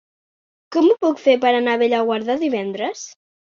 Com ho puc fer per anar a Bellaguarda divendres?